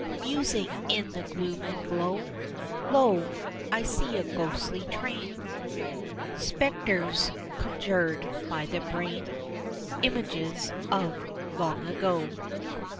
Musing in the gloom and glow, Lo! I see a ghostly train, Spectres conjured by the brain, Images of long ago.